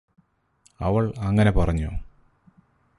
അവള് അങ്ങനെ പറഞ്ഞോ